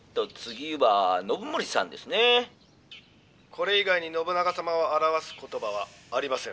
「これ以外に信長様を表す言葉はありません」。